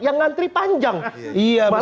yang ngantri panjang iya betul